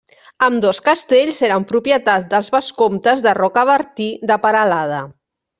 Ambdós castells eren propietat dels vescomtes de Rocabertí de Peralada.